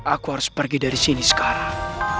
aku harus pergi dari sini sekarang